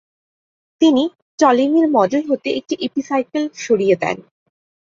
তিনি টলেমির মডেল হতে একটি এপিসাইকেল সরিয়ে দেন।